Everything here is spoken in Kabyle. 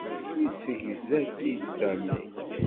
Yessegza-tt-id Sami.